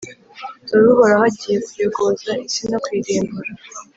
Dore Uhoraho agiye kuyogoza isi no kuyirimbura,